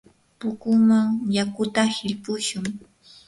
pukuman yakuta hilpushun.